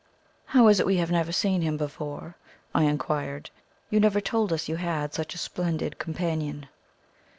"How is it we have never seen him before?" I inquired. "You never told us you had such a splendid companion."